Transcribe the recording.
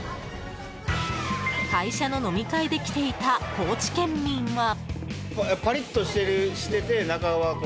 会社の飲み会で来ていた高知県民は。